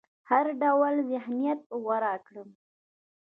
هر ډول ذهنيت غوره کړم.